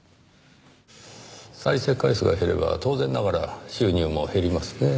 再生回数が減れば当然ながら収入も減りますねぇ。